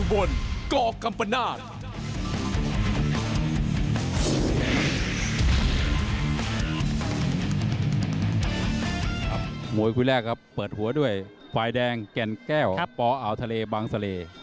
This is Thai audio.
หมวยคุยแรกครับเปิดหัวด้วยฟายแดงแก่งแก้วครับพออาวทะเลบังเสลย